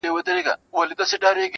زما جانان وې زما جانان یې جانانه یې,